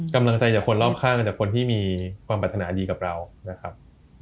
กำลังใจจากคนรอบข้างจากคนที่มีความปรัฐนาดีกับเรานะครับ